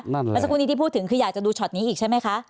เมื่อสักครู่นี้ที่พูดถึงคืออยากจะดูช็อตนี้อีกใช่ไหมคะ